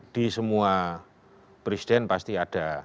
di semua presiden pasti ada